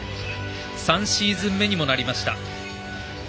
３シーズン目にもなりました。